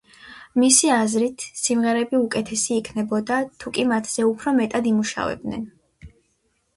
მისი აზრით, სიმღერები უკეთესი იქნებოდა, თუკი მათზე უფრო მეტად იმუშავებდნენ.